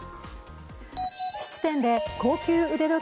質店で高級腕時計